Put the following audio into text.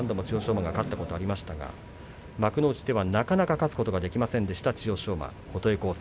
馬が勝ったことがありましたが幕内では、なかなか勝つことができませんでした千代翔馬琴恵光戦。